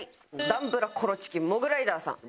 男ブラコロチキモグライダーさん。